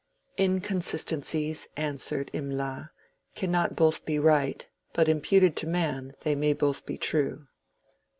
"Inconsistencies," answered Imlac, "cannot both be right, but imputed to man they may both be true."